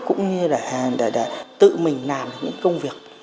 cũng như để tự mình làm những công việc